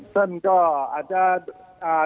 ท่านก็อาจจะ